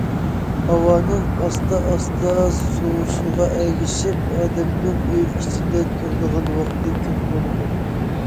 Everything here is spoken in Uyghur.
ھاۋانىڭ ئاستا- ئاستا سوۋۇشىغا ئەگىشىپ، ئادەمنىڭ ئۆي ئىچىدە تۇرىدىغان ۋاقتى كۆپ بولىدۇ.